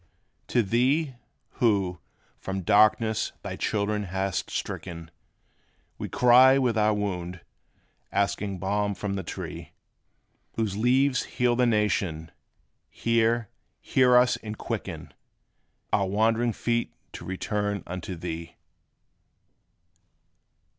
To Thee, who, from darkness, thy children hast stricken, We cry with our wound, asking balm from the Tree, Whose leaves heal the nations: Hear, hear us, and quicken Our wandering feet to return unto Thee!